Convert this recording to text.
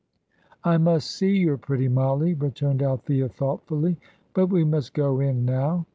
"I must see your pretty Mollie," returned Althea, thoughtfully; "but we must go in now."